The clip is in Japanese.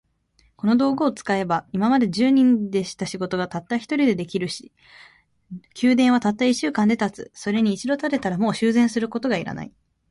この道具を使えば、今まで十人でした仕事が、たった一人で出来上るし、宮殿はたった一週間で建つ。それに一度建てたら、もう修繕することが要らない。